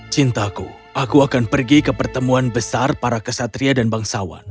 cintaku aku akan pergi ke pertemuan besar para kesatria dan bangsawan